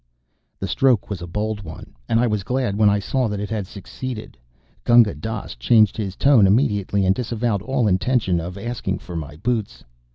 The stroke was a bold one, and I was glad when I saw that it had succeeded. Gunga Dass changed his tone immediately, and disavowed all intention of asking for my boots.